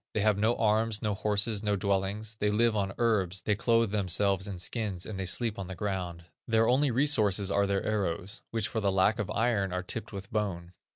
They have no arms, no horses, no dwellings; they live on herbs, they clothe themselves in skins, and they sleep on the ground. Their only resources are their arrows, which for the lack of iron are tipped with bone."